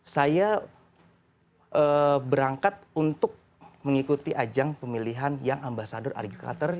saya berangkat untuk mengikuti ajang pemilihan yang ambasador arjunator